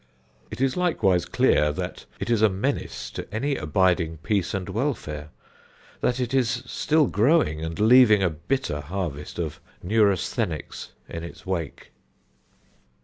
It is likewise clear that it is a menace to any abiding peace and welfare; that it is still growing and leaving a bitter harvest of neurasthenics in its wake.